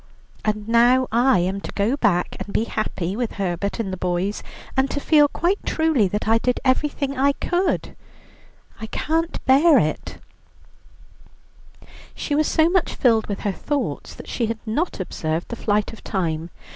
And now I am to go back, and be happy with Herbert and the boys, and to feel quite truly that I did everything I could, I can't bear it." She was so much filled with her thoughts that she had not observed the flight of time.